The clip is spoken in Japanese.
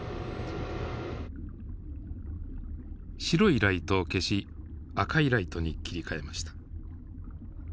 白いライトを消し赤いライトに切り替えました。